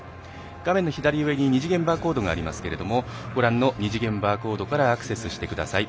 画面左上、二次元バーコードがありますけれどもご覧の二次元バーコードからアクセスしてください。